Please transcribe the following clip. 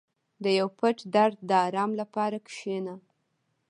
• د یو پټ درد د آرام لپاره کښېنه.